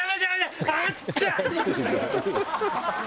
「ハハハハ！」